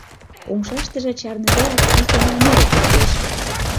Умшаштыже чарныдеак ик оҥай муро пӧрдеш: